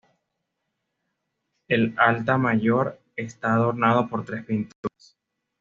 El altar mayor está adornado por tres pinturas.